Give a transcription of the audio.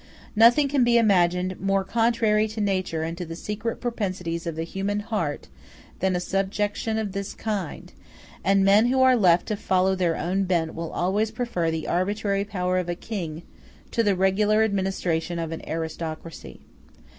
Nothing can be imagined more contrary to nature and to the secret propensities of the human heart than a subjection of this kind; and men who are left to follow their own bent will always prefer the arbitrary power of a king to the regular administration of an aristocracy.